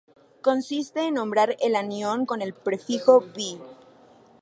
Consiste en nombrar el anión con el prefijo bi-.